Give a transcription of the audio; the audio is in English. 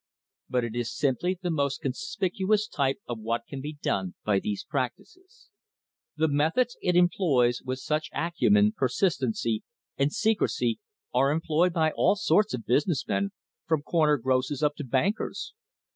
But it is simply the most con spicuous type of what can be done by these practices. The methods it employs with such acumen, persistency, and se crecy are employed by all sorts of business men, from corner grocers up to bankers.